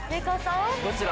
どちら？